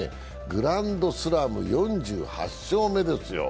グランドスラム４８勝目ですよ。